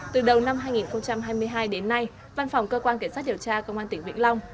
từ đầu năm hai nghìn hai mươi hai đến nay văn phòng cơ quan kiểm soát điều tra công an tỉnh vĩnh long